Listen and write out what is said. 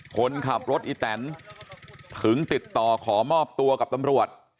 คนขับรถอีแตนถึงติดต่อขอมอบตัวกับตำรวจ